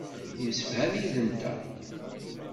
Yemsefham yid-nteɣ.